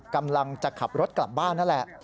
กำลังจะขับรถกลับบ้านนั่นแหละ